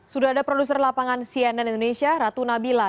sudah ada produser lapangan cnn indonesia ratu nabila